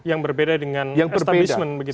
yang berbeda dengan establishment